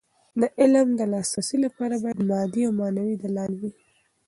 د علم د لاسرسي لپاره باید مادي او معنوي دلايل وي.